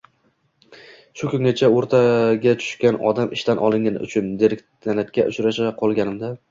Shu kungacha o`rtaga tushgan odam ishdan olingani uchun dekanatga uchrasha qolgandim-da